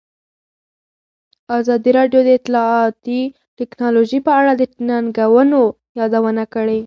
ازادي راډیو د اطلاعاتی تکنالوژي په اړه د ننګونو یادونه کړې.